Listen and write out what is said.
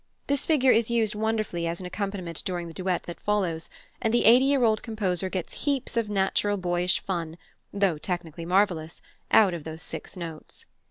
This figure is used wonderfully as an accompaniment during the duet that follows, and the eighty year old composer gets heaps of natural boyish fun (though technically marvellous) out of those six notes.